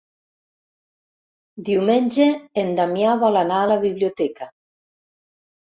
Diumenge en Damià vol anar a la biblioteca.